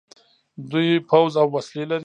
دوی پوځ او وسلې لري.